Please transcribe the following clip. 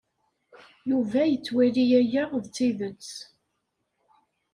Yuba yettwali aya d tidet.